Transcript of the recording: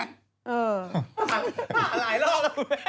อะไรหรอก